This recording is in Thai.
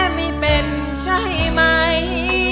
รักแพ้ไม่เป็นใช่ไหม